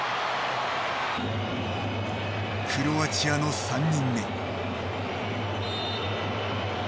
クロアチアの３人目。